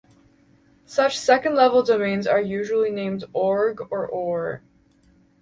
Such second-level domains are usually named "org" or "or".